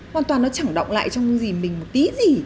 hoàn toàn nó chẳng động lại trong gì mình một tí gì